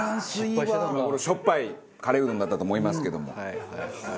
今頃しょっぱいカレーうどんになったと思いますけども。